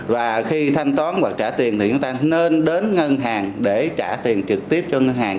và khi thanh toán hoặc trả tiền thì chúng ta nên đến ngân hàng để trả tiền trực tiếp cho ngân hàng